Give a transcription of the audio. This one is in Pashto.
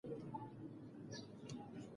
هغوی به سبا خپله پایله اعلان کړي.